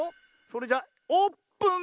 それじゃオープン！